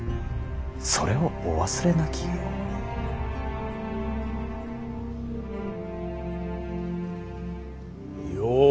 それをお忘れなきよう。